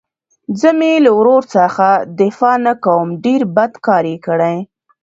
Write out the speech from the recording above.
زه مې له ورور څخه دفاع نه کوم ډېر بد کار يې کړى.